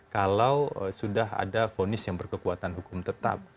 kalau sudah ada fonis yang berkekuatan hukum tetap